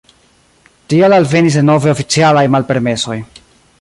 Tial alvenis denove oficialaj malpermesoj.